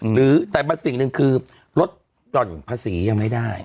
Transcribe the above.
หรือแต่สิ่งหนึ่งคือลดหย่อนภาษียังไม่ได้